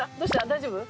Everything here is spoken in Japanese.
大丈夫？